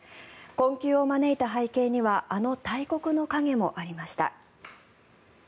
困窮を招いた背景にはあの大国の影もありました。